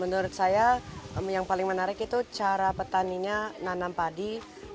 menurut saya yang paling menarik itu cara petaninya nanam padi